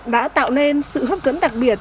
đã tạo nên sự hấp cẫn đặc biệt